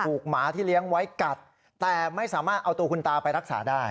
หมาที่เลี้ยงไว้กัดแต่ไม่สามารถเอาตัวคุณตาไปรักษาได้